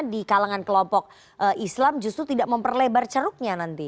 di kalangan kelompok islam justru tidak memperlebar ceruknya nanti